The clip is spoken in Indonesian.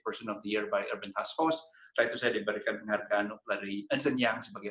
orang tahun oleh urban task force saya diberikan penghargaan dari ensign young sebagai